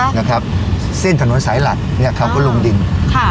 นะครับเส้นถนนสายหลักเนี่ยเขาก็ลงดินค่ะ